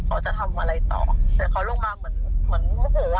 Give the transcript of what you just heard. เขาจะทำอะไรต่อแต่เขาร่วงมาเหมือนเหมาะหัวอะ